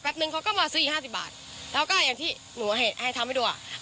นึงเขาก็มาซื้ออีกห้าสิบบาทแล้วก็อย่างที่หนูให้ทำให้ดูอ่ะ